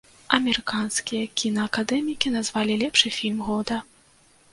Амерыканскія кінаакадэмікі назвалі лепшы фільм года.